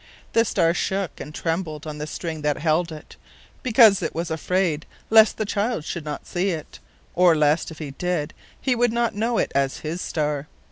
The star shook and trembled on the string that held it, because it was afraid lest the child would not see it, or lest, if he did, he would not know it as his star.